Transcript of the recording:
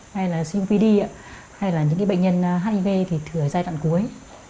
hay là cupd hay là những bệnh nhân hiv thì thử ở giai đoạn cuối